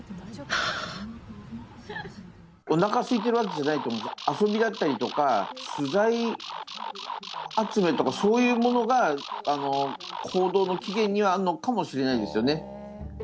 おなかすいてるわけじゃないと、遊びだったりとか、巣材集めとか、そういうものが行動の起源にあるのかもしれないですよね。